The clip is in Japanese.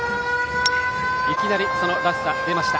いきなり、らしさ出ました。